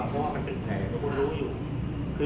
น้องแฮนมาก